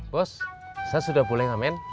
bos saya sudah boleh ngamen